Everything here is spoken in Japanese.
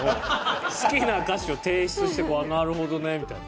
好きな歌詞を提出して「ああなるほどね」みたいな。